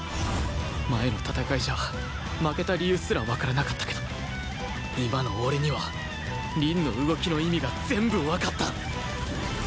前の戦いじゃ負けた理由すらわからなかったけど今の俺には凛の動きの意味が全部わかった